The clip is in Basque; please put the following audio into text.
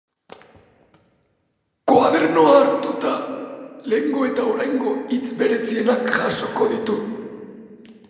Koadernoa hartuta, lehengo eta oraingo hitz berezienak jasoko ditu.